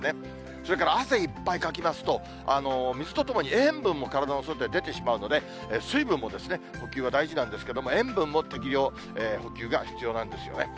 それから汗いっぱいかきますと、水とともに塩分も体の外へ出てしまうので、水分も補給は大事なんですけれども、塩分も適量補給が必要なんですよね。